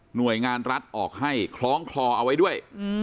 หน่วยงานรัฐออกให้คล้องคลอเอาไว้ด้วย